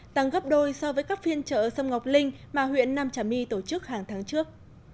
tăng gấp đôi so với các phiên chợ sâm ngọc linh mà huyện nam trà my tổ chức hàng tháng trước